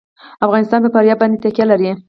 افغانستان په فاریاب باندې تکیه لري.